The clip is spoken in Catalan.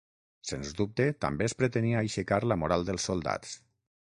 Sens dubte també es pretenia aixecar la moral dels soldats.